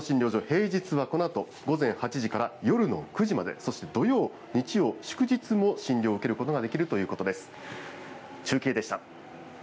この診療所、平日はこのあと午前８時から夜の９時まで、そして土曜、日曜、祝日も診療を受けることができるということです。